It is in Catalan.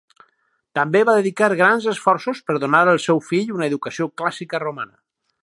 També va dedicar grans esforços per donar al seu fill una educació clàssica romana.